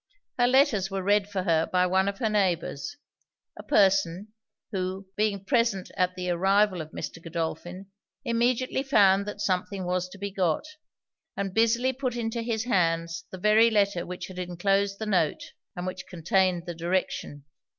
Her letters were read for her by one of her neighbours; a person, who, being present at the arrival of Mr. Godolphin, immediately found that something was to be got; and busily put into his hands the very letter which had enclosed the note, and which contained the direction.